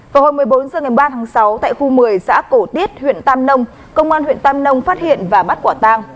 vào hôm một mươi bốn ba sáu tại khu một mươi xã cổ tiết huyện tam nông công an huyện tam nông phát hiện và bắt quả tang